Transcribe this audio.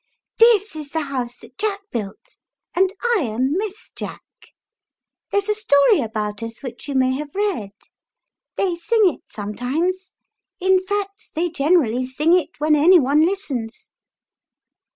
" This is the house that Jack built, and I am Miss Jack. There's a story about us which you may have read. They sing it sometimes ; in fact, they generally sing it when any one listens."